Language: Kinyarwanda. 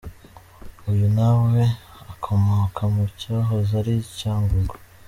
Uyu nawe, akomoka mu cyahoze ari Cyangugu.